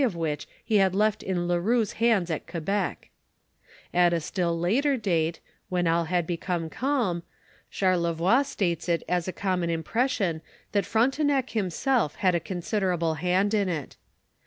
<f which he had left in le Roux's hands at Quebec, /it a s: ill later date, when all had become calm, Charlevoix states it as a common impression that Frontenao him self had a considerable hand in it.